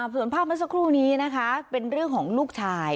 ส่วนภาพเมื่อสักครู่นี้นะคะเป็นเรื่องของลูกชาย